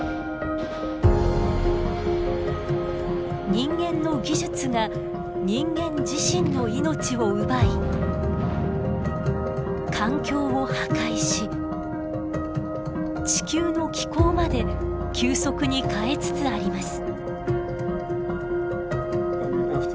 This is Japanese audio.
人間の技術が人間自身の命を奪い環境を破壊し地球の気候まで急速に変えつつあります。